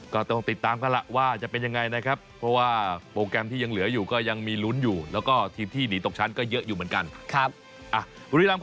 ก็ต้องติดตามกันล่ะว่าจะเป็นยังไงนะครับ